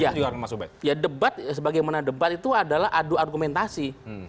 ya ya debat sebagaimana debat itu adalah adu argumentasi